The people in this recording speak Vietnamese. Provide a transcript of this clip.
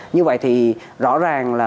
như vậy thì rõ ràng là